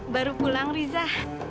baru pulang riza